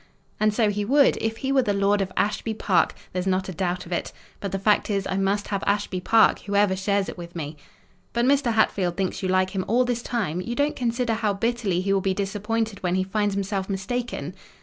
"And so he would, if he were lord of Ashby Park—there's not a doubt of it: but the fact is, I must have Ashby Park, whoever shares it with me." "But Mr. Hatfield thinks you like him all this time; you don't consider how bitterly he will be disappointed when he finds himself mistaken."